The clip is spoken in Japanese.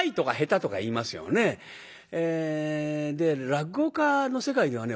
落語家の世界ではね